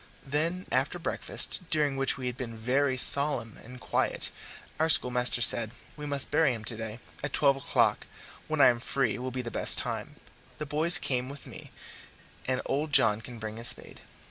Then, after breakfast, during which we had been very solemn and quiet, our schoolmaster said: "We must bury him today at twelve o'clock, when I am free, will be the best time; the boys can come with me, and old John can bring his spade."